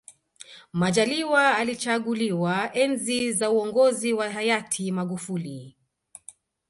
majaliwa alichaguliwa enzi za uongozi wa hayati magufuli